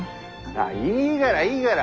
ああいいがらいいがら。